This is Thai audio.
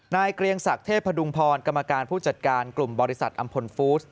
เกรียงศักดิ์เทพดุงพรกรรมการผู้จัดการกลุ่มบริษัทอำพลฟูส